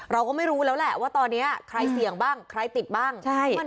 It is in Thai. เราก็ไม่รู้แล้วแหละว่าตอนนี้ใครเสี่ยงบ้างใครติดบ้าง